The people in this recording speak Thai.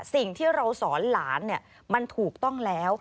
สิ่งที่เราสอนหลานมันถูกต้องแล้ว